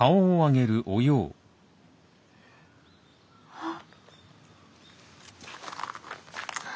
あっ。